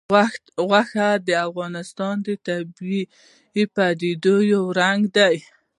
غوښې د افغانستان د طبیعي پدیدو یو رنګ دی.